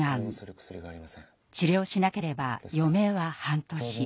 治療しなければ余命は半年。